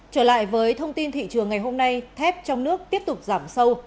trở lại với thông tin thị trường ngày hôm nay thép trong nước tiếp tục giảm sâu